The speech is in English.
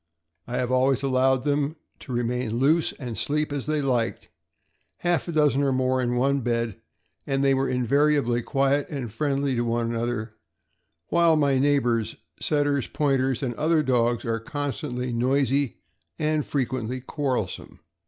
I have always allowed them to re main loose and sleep as they liked, half a dozen or more in one bed, and they were invariably quiet and friendly to one another, while my neighbor's Setters, Pointers, and other dogs are constantly noisy, and frequently quarrel some.